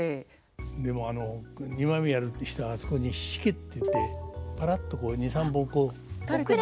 でもあの二枚目やる人はあそこに「しけ」っていってパラッと２３本。垂れてますね。